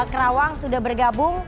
kerawang sudah bergabung